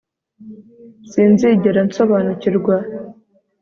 Sinzigera nsobanukirwa